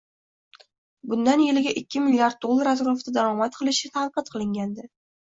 bundan yiliga ikki milliard dollar atrofida daromad qilishi tanqid qilingandi.